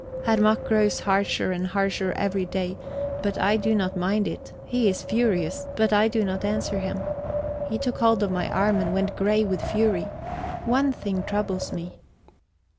Herr Mack grows harsher and harsher every day, but I do not mind it; he is furious, but I do not answer him. He took hold of my arm and went grey with fury. One thing troubles me."